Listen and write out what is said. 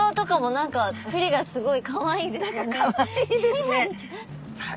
何かかわいいですね。